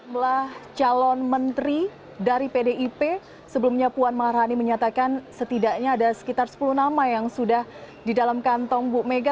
jumlah calon menteri dari pdip sebelumnya puan maharani menyatakan setidaknya ada sekitar sepuluh nama yang sudah di dalam kantong bu mega